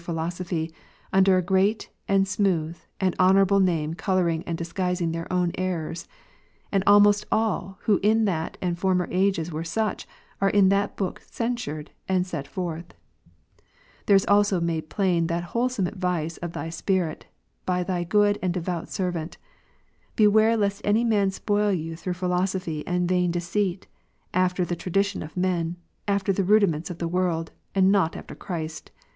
33 philosophy, under a great, and smooth, and honourable name colourino; and dissfuising then' own eiTors : and almost all who in that and former ages wei'e such, are in that book censured and set forth : there also is made plain that whole some advice of Thy Spirit, by Thy good and devout servant ; Beioare lest any man spoil you through philosophy and vain Col. 2, deceit, after the tradition of men, after the rudiments of the ^'^' tvorld, and not after Christ.